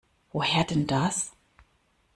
Woher denn das?